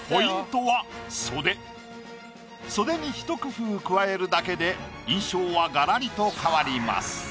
袖にひと工夫加えるだけで印象はがらりと変わります。